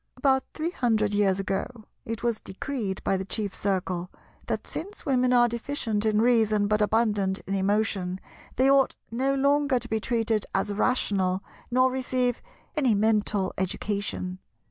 About three hundred years ago, it was decreed by the Chief Circle that, since women are deficient in Reason but abundant in Emotion, they ought no longer to be treated as rational, nor receive any mental education.